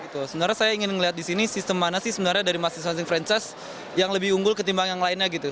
sebenarnya saya ingin melihat di sini sistem mana sih sebenarnya dari masing masing franchise yang lebih unggul ketimbang yang lainnya gitu